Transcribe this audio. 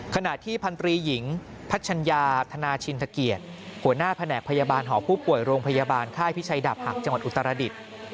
ขณะที่พันธรีหญิงพัชญาธนาชินทเกียรติหัวหน้าแผนกพยาบาลหอผู้ป่วยโรงพยาบาลค่ายพิชัยดาบหักจังหวัดอุตรดิษฐ์